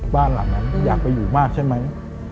บ้านหลังนั้นอยากไปอยู่มากใช่ไหม